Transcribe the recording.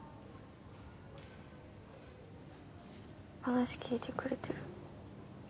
話聞いてくれてる。